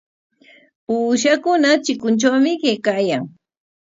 Uushakuna chikuntrawmi kaykaayan.